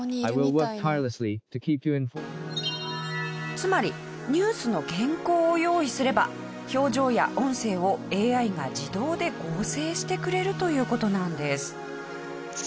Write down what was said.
つまりニュースの原稿を用意すれば表情や音声をＡＩが自動で合成してくれるという事なんです。